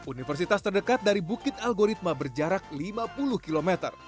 universitas terdekat dari bukit algoritma berjarak lima puluh km